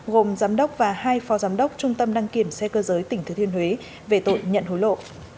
gồm giám đốc và hai pho giám đốc trung tâm đăng kiểm xe cơ giới tỉnh thừa thiên huế về tội nhận hối lộ